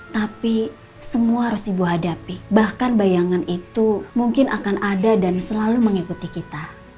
tapi semua harus ibu hadapi bahkan bayangan itu mungkin akan ada dan selalu mengikuti kita